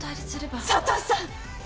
佐都さん！